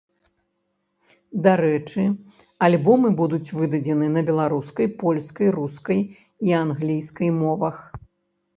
Дарэчы, альбомы будуць выдадзены на беларускай, польскай, рускай і англійскай мовах.